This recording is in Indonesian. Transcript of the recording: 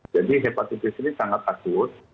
jadi hepatitis ini sangat akut